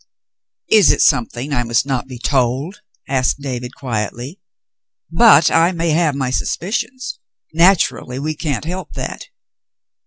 "Is it something I must not be told.^" asked David, quietly. "But I may have my suspicions. Naturally we can't help that."